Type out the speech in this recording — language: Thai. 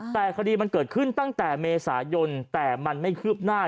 แต่คดีมันเกิดขึ้นตั้งแต่เมษายนแต่มันไม่คืบหน้า